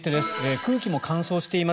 空気も乾燥しています